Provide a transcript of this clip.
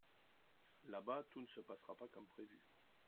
Là-bas, tout ne se passera pas comme prévu...